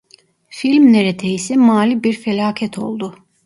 Film neredeyse mali bir felaket oldu.